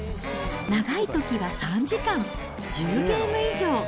長いときは３時間、１０ゲーム以上。